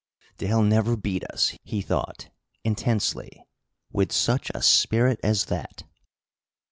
"They'll never beat us!" he thought, intensely, "with such a spirit as that!"